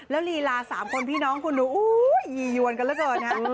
แล้วลีลา๓คนพี่น้องคุณหนูอู้ววววยี่ยวนกันแล้วเถอะนะ